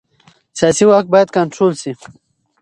سیاسي واک باید کنټرول شي